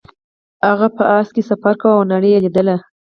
هغه په اس سفر کاوه او نړۍ یې لیدله.